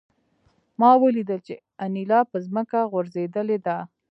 ما ولیدل چې انیلا په ځمکه غورځېدلې ده